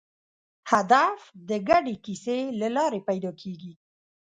هدف د ګډې کیسې له لارې پیدا کېږي.